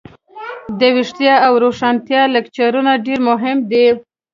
دویښتیا او روښانتیا لکچرونه ډیر مهم دي.